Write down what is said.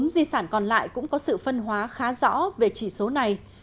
bốn di sản còn lại cũng có sự phân hóa khá rõ về chỉ số này